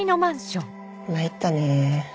参ったね。